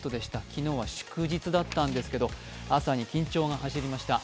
昨日は祝日だったんですけれども、朝に緊張が走りました。